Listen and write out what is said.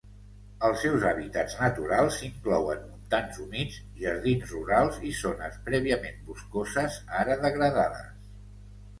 Els seus hàbitats naturals inclouen montans humits, jardins rurals i zones prèviament boscoses ara degradades.